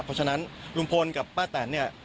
เพราะฉะนั้นลุงพลกับป้าแตนเนี่ย